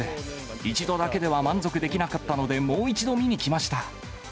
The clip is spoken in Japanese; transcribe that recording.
一度だけでは満足できなかったので、もう一度見に来ました。